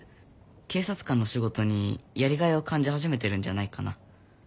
警察官の仕事にやりがいを感じ始めてるんじゃないかな。